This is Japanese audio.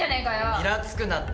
イラつくなって。